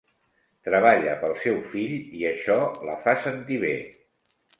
Treballa pel seu fill i això la fa sentir bé.